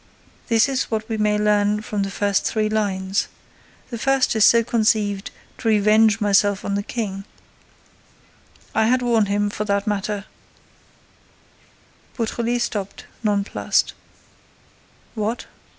This is what we may learn from the first three lines. The first is so conceived to revenge myself on the King; I had warned him, for that matter— Beautrelet stopped, nonplussed. "What?